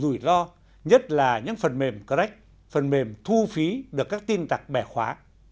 điều rủi ro nhất là những phần mềm crack phần mềm thu phí được các tin tặc bẻ khóa